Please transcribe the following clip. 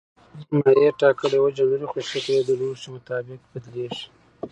مایع ټاکلی حجم لري خو شکل یې د لوښي مطابق بدلېږي.